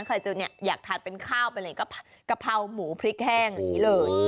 ใครจะอยากทานเป็นข้าวเป็นอะไรก็กะเพราหมูพริกแห้งอย่างนี้เลย